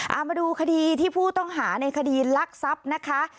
เอามาดูคดีที่ผู้ต้องหาในคดีลักทรัพย์นะคะ